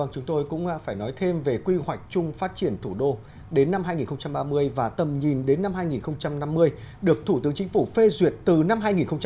chúng tôi cũng phải nói thêm về quy hoạch chung phát triển thủ đô đến năm hai nghìn ba mươi và tầm nhìn đến năm hai nghìn năm mươi được thủ tướng chính phủ phê duyệt từ năm hai nghìn một mươi năm